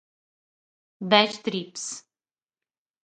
bad-trips